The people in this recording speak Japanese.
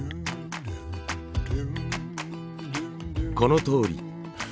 このとおり。